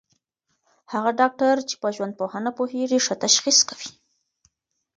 هغه ډاکټر چي په ژوندپوهنه پوهېږي، ښه تشخیص کوي.